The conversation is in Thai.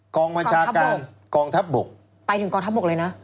กองบัญชาการกองทัพบกไปถึงกองทัพบกเลยนะ